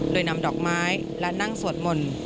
โดยนำดอกไม้และนั่งสวดมนต์